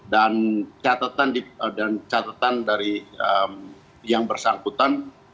dan catatan dari yang bersangkutan di dalam